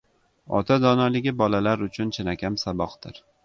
Ota donoligi bolalar uchun chinakam saboqdir.